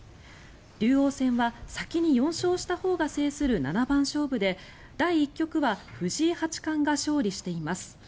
竜王戦は先に４勝したほうが制する七番勝負で第１局は藤井八冠が勝利しています。